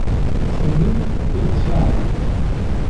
Cennef, ur ttsaɛaf.